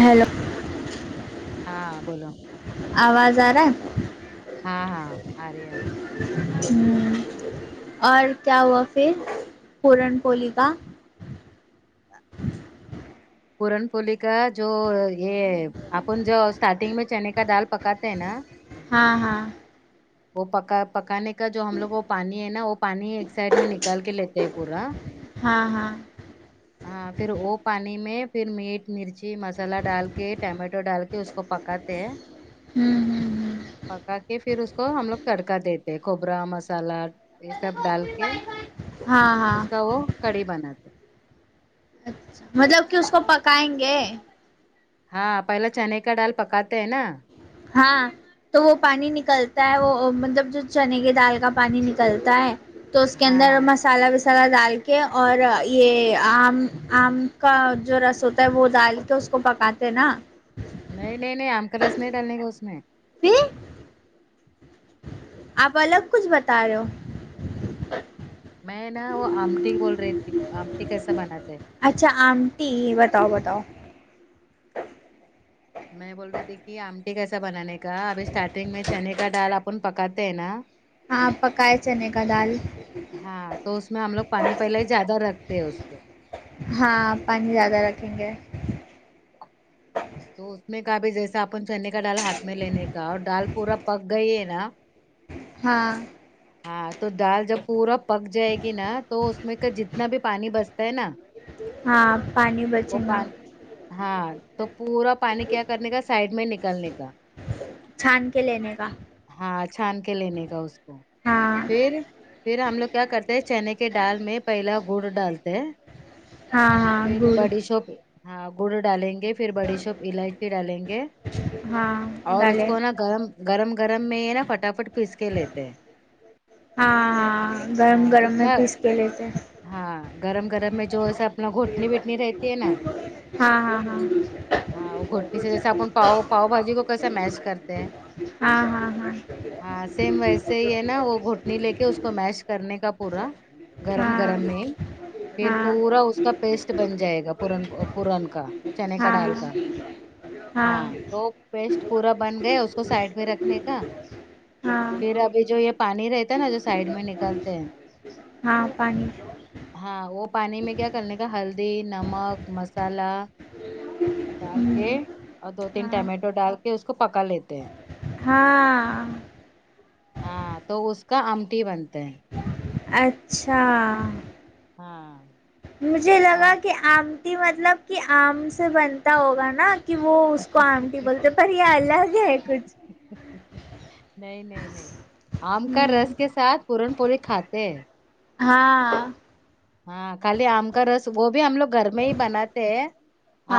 hello ہاں بولو آواز آ رہا ہاں ہاں آ رہی آ رہی ہ اور کیا ہوا پھر پورن پولی کا [inaudible] پورن پولی کا جو یہ اپن جو اسٹارٹنگ میں چنے کا دال پکاتے ہیں نا ہاں ہاں وہ پکا پکانے کا جو ہم لوگ وہ پانی ہے نا وہ پانی ایک سائڈ میں نکال کے لیتے ہے پورا ہاں ہاں ہاں پھر وہ پانی میں پھر میٹ مرچی مسالہ ڈال کے ٹمیٹو ڈال کے اس کو کو پکاتے ہیں ہ ہ پکا کے پھر اس کو ہم لوگ تڑکا دیتے ہیں کھوپرا مسالہ یہ سب ڈال کے ہاں ہاں اس کا وہ کڑی بناتے اچھا مطلب کہ اس کو پکائیں گے ہاں پہلا چنے کا ڈال پکاتے ہیں نا ہاں تو وہ پانی نکلتا ہے وہ مطلب جو چنے کی دال کا پانی نکلتا ہے تو اس کے اندر ہاں مسالہ وسا مسالا ڈال کے اور یہ آم آم کا جو رس ہوتا ہے وہ ڈال کے اس کو پکاتے نا نہیں نہیں نہیں آم کا رس نہیں ڈالنے کا اس میں پھر آپ الگ کچھ بتا رہے ہو میں نا وہ آمٹی بول رہی تھی آمٹی کیسا بناتے ہے اچھا آمٹی بتاؤ بتاؤ میں بول رہی تھی کہ آمٹی کیسا بنانے کا ابھی اسٹارٹنگ میں چنے کا ڈال اب اپن پکاتے ہیں نا ہاں پکاںے چنے کا دال ہاں تو اس میں ہم لوگ پانی پہلے ہی زیادہ رکھتے ہیں اس کو ہاں پانی زیادہ رکھیں گے تو اس میں کا بھی جیسا اپن چنے کا ڈال ہاتھ میں لینے کا اور ڈال پورا پک گئی ہے نا ہاں ہاں تو دال جب پورا پک جائے گی نا تو اس میں کا جتنا بھی پانی بچتا ہے نا ہاں پانی بچے وہ گا پانی ہاں تو پورا پانی کیا کرنے کا سائڈ میں نکلنے کا چھان کے لینے کا ہاں چھان کے لینے کا اس کو ہاں پھر پھر ہم لوگ کیا کرتے ہیں چنے کے ڈال میں پہلا گڑ ڈالتے ہیں ہاں ہاں گڑ چھپ ہاں گڑ ڈالیں گے پھر بڑی شوپ الائچی ڈالیں گے ہاں اور اس ڈالے کو نا گرم گرم گرم میں ہے نا فٹاف فٹ پیس کے لیتے ہیں ہاں جتنا لے لیتے ہیں ہاں گرم گرم میں جو ایسا اپنا گھوٹنی ویٹنی رہتی ہے نا ہاں ہاں ہاں ہاں گھوٹنی سے جیسا اپن پاؤ پاؤ بھاجی کو کیسے میش کرتے ہیں ہاں ہاں ہاں ہاں سیم ویسے ہی ہے نا وہ گھوٹنی لے کے اس کو میش کرنے کا پورا ہاں گرم ہاں گرم میں پھر ہاں پورا اس کا پیسٹ بن جائے گا پورن وہ پورن کا تو چنے کا ہاں ڈال کا ہاں تو پیسٹ پورا بن گیا اس کو سائڈ میں رکھنے کا ہاں پھر اب یہ جو یہ پانی رہتا ہے نا جو سائڈ میں نکلتے ہیں ہاں پانی ہاں وہ پانی میں کیا کرنے کا ہلدی نمک مسالہ ڈال کے اور دو تین ہاں ٹمیٹو ڈال کے اس کو پکا لیتے ہیں ہاں ہاں تو اس کا آمٹی بنتے ہیں اچھا ہاں مجھے آ، لگا کہ آمٹی مطلب کہ آم سے بنتا ہوگا نا کہ وہ اس کو آمٹی بولتے پر یہ الگ ہے کچھ نہیں نہیں نہیں آم کا ہوں رس کے ساتھ پورن پوری کھاتے ہیں ہاں ہاں خالی آم کا رس وہ بھی ہم لوگ گھر میں ہی بناتے ہیں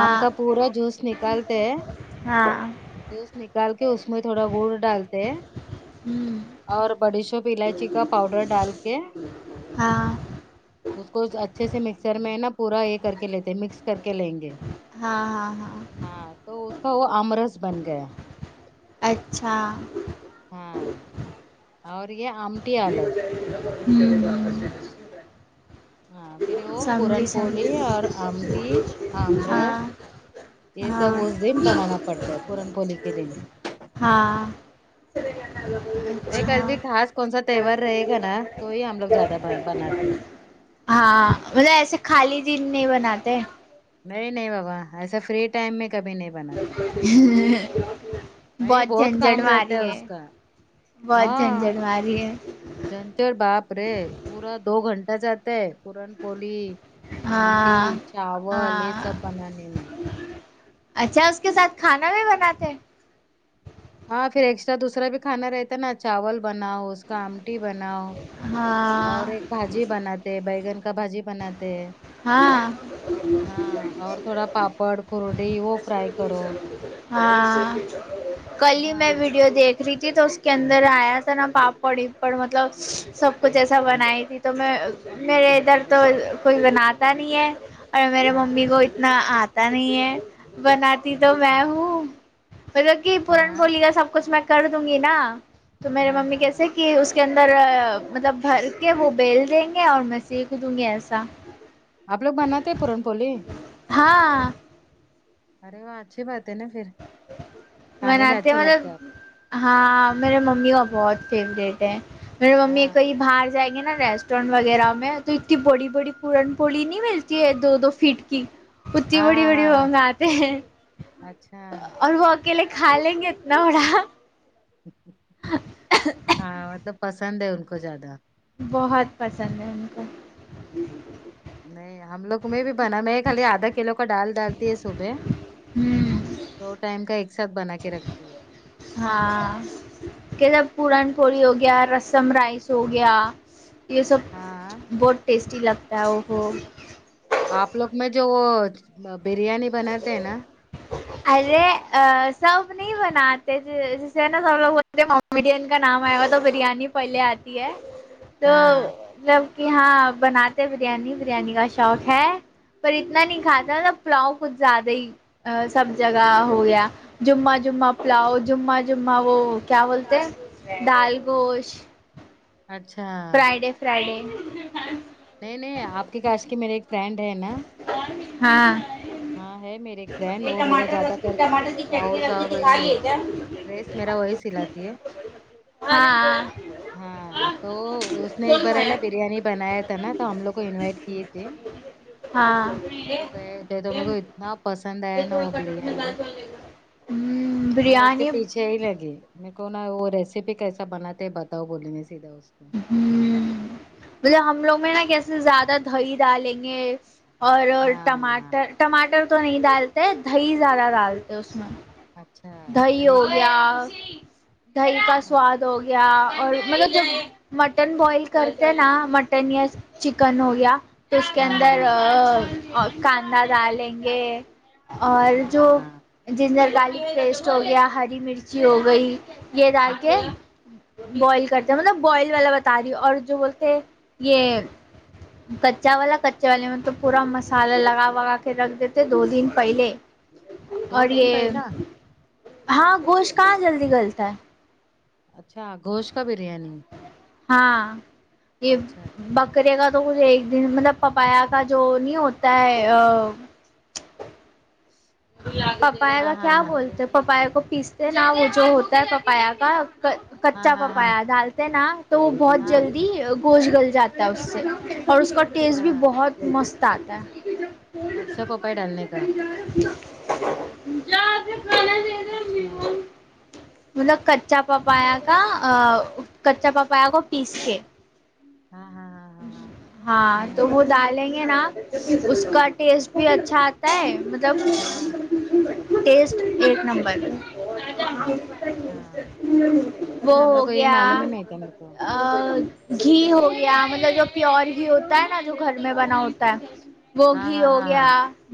آم کا پورا جوس نکالتے ہیں ہاں جوس نکال کے اس میں تھوڑا گڑ ڈالتے ہیں ہوں اور بڑی شوپ الائچی کا پاؤڈر ڈال کے ہاں اس کو اچھے سے مکسر میں ہے نا پورا یہ کر کے لیتے مکس کر کے لیں گے ہاں ہاں ہاں ہاں تو اس کا وہ ام رس بن گیا اچھا ہاں اور یہ آمٹی الگ ہمم ہمم ہاں پھر وہ پورن سمجھی پولی سمجھی اور آمٹی ہاں آمرس یہ ہاں سب اس دن بنانا پڑتا ہے پورن پوری کے دن ہاں نہیں کل بھی خاص کون سا تہوار رہے گا نا تو ہی ہم لوگ زیادہ بناتے ہیں ہاں مطلب ایسے خالی دن نہیں بناتے نہیں نہیں بابا ایسا فری ٹائم میں کبھی نہیں بناتی [inaudible] نہیں بہت جھنجٹ کام رہتا ماری ہے اس کا بہت جھنجٹ ماری ہے جھنچڑ باپ رے پورا دو گھنٹہ جاتا ہے پورن پوری آمٹی ہاں چاول یہ ہاں سب بنانے میں اچھا اس کے ساتھ کھانا بھی بناتے ہیں ہاں پھر ایکسٹرا دوسرا بھی کھانا رہتا ہے نا چاول بناؤ اس کا آمٹی بناؤ اور ہاں ایک بھاجی بناتے بیگن کا بھاجی بناتے ہاں ہاں اور تھوڑا پاپڑ کورٹیی وہ فرائی کرو ہاں کل ہی میں ہاں ویڈیو دیکھ ری تھی تو اس کے اندر آیا تھا نا پاپڑ اپڑ مطلب سب کچھ ایسا بنائی تھی تو میں میرے ادھر تو کوئی بنا آتا نہیں ہے اور میرے ممی ہاں کو اتنا آتا نہیں ہے بنا تی تو اچھا میں ہوں مطلب کہ ہاں پورن بولی کا سب کچھ میں کر دوں گی نا تو میرے ہاں ممی ہاں ہاں کیسے کی اس کے اندر مطلب بھر کے وہ بیل دیں گے اور میں سیکھ دوں گی ایسا آپ لوگ بناتے ہیں پورن پوری ہاں ارے وہ اچھی بات ہے نا پھر کھانے میں بناتے ہیں اچھے مطلب لگتے آپ ہاں میرے ممی کا بہت فیوریٹ ہے میرے ممی ہاں کئی ہاں بہار جائیں گے نا ریسٹورینٹ وغیرہ میں تو اتنی بڑی بڑی پورن پولی نہیں ملتی ہے دو دو فٹ کی اتی بڑی ہاں بڑی ہاں ہاں مانگاتے ہیں اچھا اور وہ اکیلے کھا لیں گے اتنا بڑا ہاں مطلب پسند ہے ان کو زیادہ بہت پسند ہے ان کو نہیں ہم لوگ میں بھی بنا نے خالی آدھا کلو کا ڈال ڈالتی ہے صبح ہمم دو ٹائم کا ایک ساتھ بنا کے رکھتی ہے ہاں کہ جب پورن پڑی ہو گیا رسم رائس ہو گیا یے سب ہاں بہت ٹیسٹی لگتا ہے وہ آپ لوگ میں جو وہ بریانی بناتے ہیں نا ارے آ سب نہیں بناتے جیسے نہ پرابلم ہوت کامیڈین کا نام آئے گا تو بریانی پہلے آتی ہے تو ہاں جب کی یہاں بناتے بریانی بریانی کا شوق ہے پر اتنا نہیں کھاتا تھا پلاؤ کچھ زیادہ ہی سب جگہ ہو گیا جمعہ جمعہ پلاؤ جمعہ جمعہ وہ کیا بولتے ہیں دال گوشت اچھا فرائیڈے فرائیڈے نہیں نہیں آپ کے کاش کی میرے ایک فرینڈ ہے نا ہاں ہاں ہے میرے ایک فرینڈ وہ میرا زیادہ کرتے لؤز اور یے ڈریس میرا وہی سلاتی ہے ہاں ہاں تو اس نے ایک بار ہے نہ بریانی بنایا تھا نا تو ہم لوگ کو انوائٹ کیے تھے ہاں یے تو گئے تھے تو میرے کو اتنا پسند آیا نا وہ تھوڑا کٹورے میں ڈال بریانی چاول ہمم میں اس کے پیھے ہی لگی میرے کو نا وہ ریسیپی کیسا بناتے بتاؤ بولیں گے سیدھا اس کو ہمم مطلب ہم لوگ میں نا کیسے زیادہ دہی ڈالیں گے اور ہاں ہاں ٹماٹر ٹماٹر تو نہیں ڈالتے دہی زیادہ ڈالتے اس میں اچھا دہی ہو گیا دہی کا ہاں سواد ہو گیا اور مطلب جب مٹن بوائل کرتے ہیں نا مٹن یا چکن ہو گیا تو اس کے ہاں اندر ہاں کاندا ڈالیں گے اور جو ہاں جنجر گارلک پیسٹ ہو گیا ہری مرچی ہو گئی یے دال اچھا کے اچھا بوائل کرتے ہیں مطلب بوائل والا بتا رہی ہو اور جو بولتے یے کچا والا کچے والے میں تو پورا مسالہ لگا وگا کے رکھ دیتے دو دن پہلے دو اور دن یے پہلا ہاں گوشت کہاں جلدی گلتا ہے اچھا گوشت کا بریانی ہاں یے اچھا اچھا بک کرے گا تو ایک دن مطلب پپایا کا جو نہیں ہوتا ہے آ پپایا کا ہاں کیا ہاں بولتے پپایا کو پیستے نا وہ جو ہوتا ہے پپایا کا کا ہاں کچا ہاں ہاں پپایا ڈالتے نا تو وہ بہت ہاں ہاں جلدی گوشت گل جاتا ہے اس سے اور اس کا ٹیسٹ بھی بہت مست آتا ہے کچھا پپائی ڈالنے کا [unintelligible] اچھا مطلب کچا پپایا کا کچا پپایا کو پیس کے ہاں ہاں ہاں ہاں ہاں ہاں نہیں تو ہم وہ ڈالیں گے نا اس کا ٹیسٹ بھی اچھا آتا ہے مطلب ہاں ٹیسٹ ایک نمبر اچھا وہ نہیں ہم لوگ ہو کو یہ گیا معلوم ہی نہیں تھا میرے کو ا گھی ہو گیا مطلب جو پیور گھی ہوتا ہے نا جو گھر میں بنا ہوتا ہے وہ ہاں گھی ہاں ہو ہاں گیا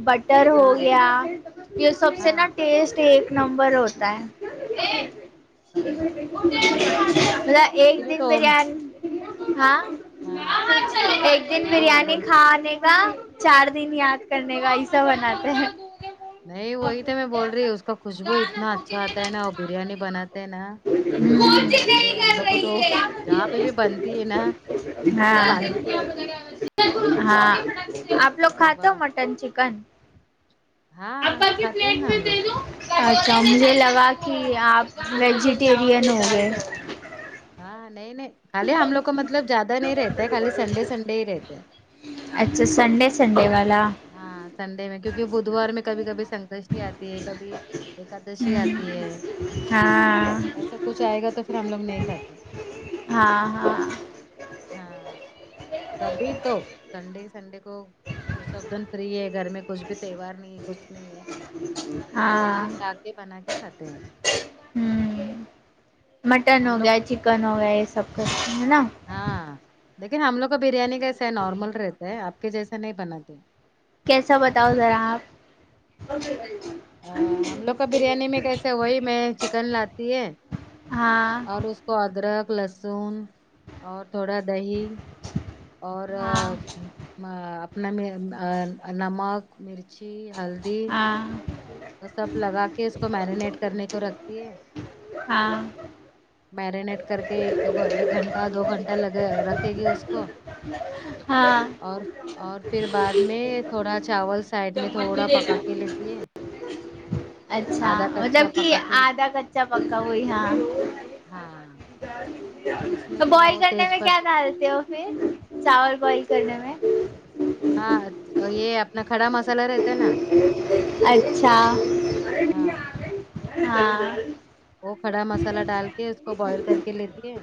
بٹر ہو ہاں ہاں گیا یہ سب سے نا ہاں ٹیسٹ ایک نمبر ہوتا ہے ارے باپ رے ہاں نا ما ایک کلے دن تو بریانی ہاں ہاں ایک دن ہاں ہاں بریانی بولو کھا نے کا چار دن یاد کرنے کا ایسا بناتے ہیں نہیں وہی تو میں بول رہی ہوں اس کا خوشبو اتنا اچھا آتا ہے نا اور بریانی بناتے ہیں نا باپرے ہم لوگ کو تو یہاں پہ بھی بنتی ہے نا موں میں ہاں پانی بھی آتا ہے ہاں آپ لوگ ارے کھاتے ہو واہ مٹن چکن ہاں کھاتے ہو نا ہم لوگ بھی اچھا مجھے لگا کہ آپ ویجیٹیرین ہو گئے ہاں نہیں نہیں خالی ہم لوگ کو مطلب زیادہ نہیں رہتا ہے خالی سنڈے سنڈے ہی رہتے ہیں اچھا سنڈے سنڈے والا ہاں سنڈے میں کیونکہ بدوار میں کبھی کبھی سنکشٹی آتی ہے کبھی ایکادشی آتی ہے ہوں ہاں ایسا کچھ آئے گا تو پھر ہم لوگ نہیں کھاتے ہاں ہاں ہاں کبھی تو سنڈے سنڈے کو وہ سب دن فری ہے گھر میں کچھ بھی تہوار نہیں ہے کچھ نہیں ہے تو اس ہاں دن ڈا کے بنا کے کھاتے ہیں ہوں مٹن ہو ہم لوگ گیا چکن ہو گیا یہ سب کرتے ہے نا ہاں لیکن ہم لوگ کو بریانی کییسے ہے نارمل رہتے ہے آپ کے جیسے نہیں بناتی کیسا بتاؤ ذرا آپ ا ہم لوگ کا بریانی میں کیسے وہی میں چکن لاتی ہے ہاں اور اس کو ادرک لہسن اور تھوڑا دہی اور ہاں ا نمک مرچی ہلدی ہاں وہ سب لگا کے اس کو مرینیٹ کرنے کو رکھتی ہے ہاں مرینیٹ کر کے ایک ایک گھنٹہ دو گھنٹہ لگے رکھے گی اس کو ہاں اور اور پھر بعد میں تھوڑا چاول سائڈ میں چمچ بھی تھوڑا پکا دینا کے لی یہ اچھا مطلب کہ پکا کے آدھا کچا پکا وہی ہاں ہاں پھر اس میں تو تھوڑا بوائل وہ کرنے تیج میں پت کیا ڈالتے ہو پھر چاول بوائل کرنے میں ہاں یہ اپنا کھڑا مسالہ رہتا ہے نا اچھا ہاں ہاں وہ کھڑا مسالہ ڈال کے اس کو بوائل کر کے لیتی ہے